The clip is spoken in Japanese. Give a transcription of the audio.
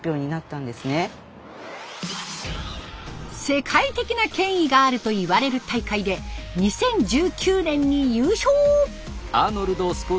世界的な権威があるといわれる大会で２０１９年に優勝。